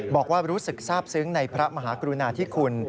บอกว่ารู้สึกทราบซึ้งในพระมหากรุณาธิคุณ